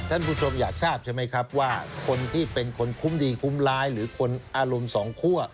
ท่านผู้ชมอยากทราบใช่ไหมครับว่าคนที่เป็นคนคุ้มดีคุ้มร้ายหรือคนอารมณ์สองคั่ว